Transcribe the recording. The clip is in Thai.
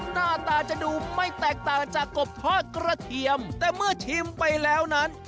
หน้าตาจะดูไม่แตกต่างจากกบทอดกระเทียมแต่เมื่อชิมไปแล้วนั้น